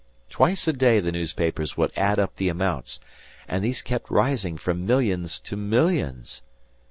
Twice a day the newspapers would add up the amounts, and these kept rising from millions to millions.